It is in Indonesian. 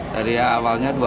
dari awalnya rp dua puluh tujuh